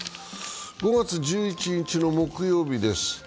５月１１日の木曜日です。